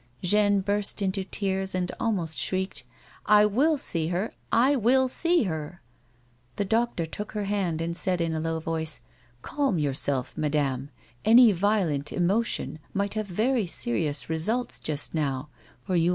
Jeanne burst into tears and almost shrieked ;" I will see her ! I will see her !" The doctor took her hand and said in a low voice :" Calm yourself, madame. Any violent emotion might have very serious results just now ; for jov.